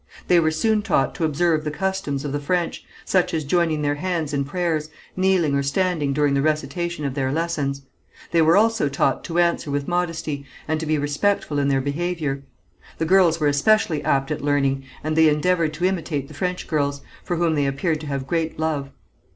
They were soon taught to observe the customs of the French, such as joining their hands in prayers, kneeling or standing during the recitation of their lessons. They were also taught to answer with modesty, and to be respectful in their behaviour. The girls were especially apt at learning, and they endeavoured to imitate the French girls, for whom they appeared to have great love.